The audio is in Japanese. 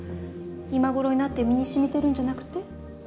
今頃になって身に染みてるんじゃなくて？